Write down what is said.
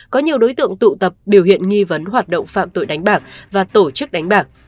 có nhiều đối tượng tụ tập biểu hiện nghi vấn hoạt động phạm tội đánh bạc và tổ chức đánh bạc